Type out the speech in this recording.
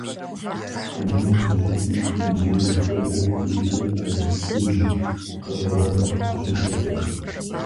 Дунейм зы щӀыпӀи ди деж хуэдэу хуиту а жыг хужь гъэщӀэгъуэныр къыщыкӀыркъым.